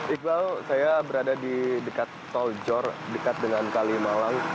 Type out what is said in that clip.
iqbal saya berada di dekat tol jor dekat dengan kalimalang